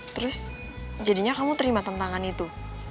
terus jadinya kamu terima tentangan itu